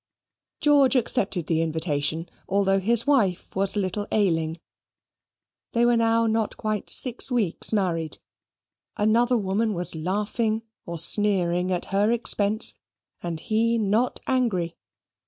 George accepted the invitation, although his wife was a little ailing. They were now not quite six weeks married. Another woman was laughing or sneering at her expense, and he not angry.